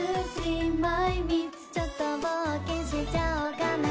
ちょっと冒険しちゃおかな